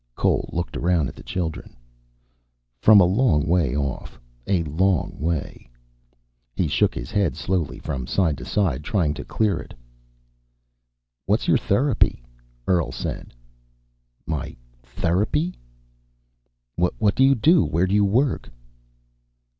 Cole looked around at the children. "From a long way off. A long way." He shook his head slowly from side to side, trying to clear it. "What's your therapy?" Earl said. "My therapy?" "What do you do? Where do you work?"